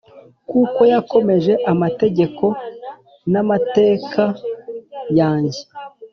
kuko yakomeje amategeko n amateka yanjye